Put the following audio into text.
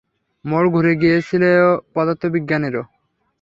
মোড় ঘুরে গিয়েছিল পদার্থবিজ্ঞানেরও।